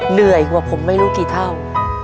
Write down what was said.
เหนื่อยกว่าผมไม่รู้กี่เท่า